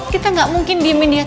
kita gak mungkin diemin dia terus